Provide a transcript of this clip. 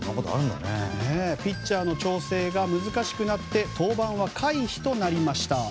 ピッチャーの調整が難しくなって登板は回避となりました。